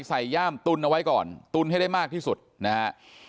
ย่ามตุนเอาไว้ก่อนตุนให้ได้มากที่สุดนะฮะ